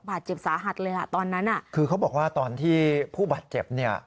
บาดเจ็บสาหัสเลยอ่ะตอนนั้นอ่ะคือเขาบอกว่าตอนที่ผู้บาดเจ็บเนี่ย